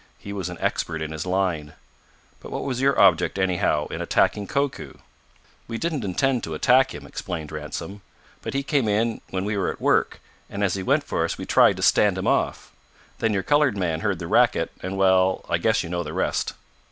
"He was an expert in his line. But what was your object, anyhow, in attacking Koku?" "We didn't intend to attack him," explained Ransom, "but he came in when we were at work, and as he went for us we tried to stand him off. Then your colored man heard the racket, and well, I guess you know the rest."